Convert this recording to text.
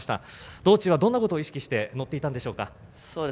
道中は、どんなことを意識して乗っていたんでしょうか。